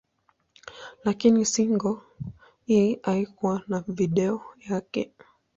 Lakini single hii haikuwa na video yake.